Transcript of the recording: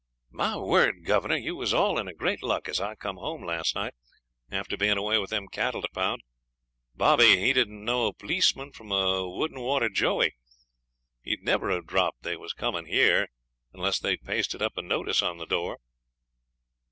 'My word, governor, you was all in great luck as I come home last night, after bein' away with them cattle to pound. Bobby, he don't know a p'leeceman from a wood an' water joey; he'd never have dropped they was comin' here unless they'd pasted up a notice on the door.'